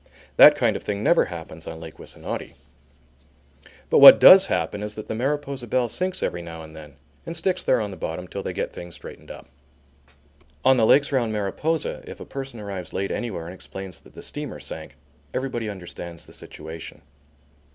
That kind of thing never happens on Lake Wissanotti. But what does happen is that the Mariposa Belle sinks every now and then, and sticks there on the bottom till they get things straightened up. On the lakes round Mariposa, if a person arrives late anywhere and explains that the steamer sank, everybody understands the situation.